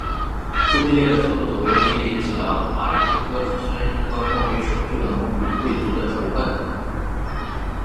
忽必烈的所做所为无疑引起了阿里不哥子孙和漠北守旧的蒙古贵族的仇恨。